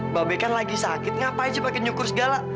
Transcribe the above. mbak be kan lagi sakit ngapain sih pakai nyukur segala